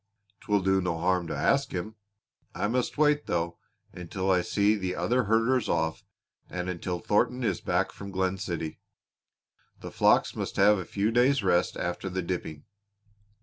"'Twill do no harm to ask him. I must wait, though, until I see the other herders off, and until Thornton is back from Glen City. The flocks must have a few days' rest after the dipping.